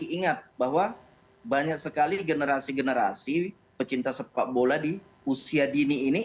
ingat bahwa banyak sekali generasi generasi pecinta sepak bola di usia dini ini